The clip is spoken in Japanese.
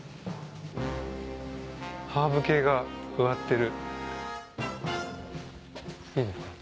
ハーブ系が植わってる。